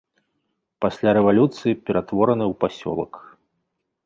Пасля рэвалюцыі ператвораны ў пасёлак.